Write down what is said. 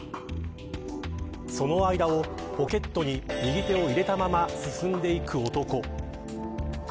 その間もポケットに右手を入れたまま進んでいく男。